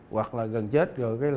hoặc là gần chết rồi